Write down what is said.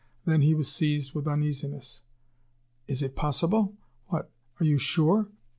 Then, he was seized with uneasiness. "Is it possible? What? Are you sure?